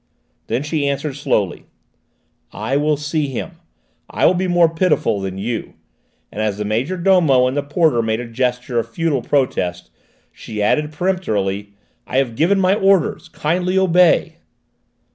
Then she answered slowly: "I will see him. I will be more pitiful than you," and as the major domo and the porter made a gesture of futile protest, she added peremptorily: "I have given my orders: kindly obey."